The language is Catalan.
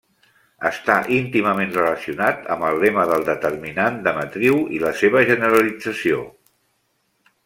Està íntimament relacionat amb el lema del determinant de matriu i la seva generalització.